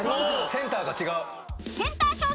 センターが違う。